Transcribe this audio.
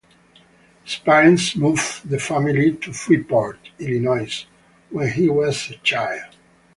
His parents moved the family to Freeport, Illinois when he was a child.